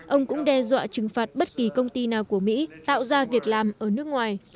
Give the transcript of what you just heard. ông cũng đe dọa trừng phạt bất kỳ công ty nào của mỹ tạo ra việc làm ở nước ngoài